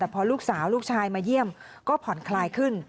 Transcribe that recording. แต่พอลูกสาวลูกชายมาเยี่ยมก็ผ่อนคลายขึ้น